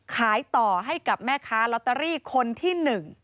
ขายต่อให้กับแม่ค้าลอตเตอรี่คนที่๑